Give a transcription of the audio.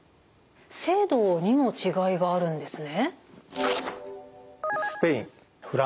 制度にも違いがあるんですね。